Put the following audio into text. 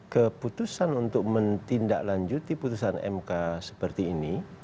keputusan untuk menindaklanjuti putusan mk seperti ini